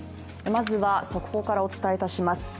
まずは、速報からお伝えいたします。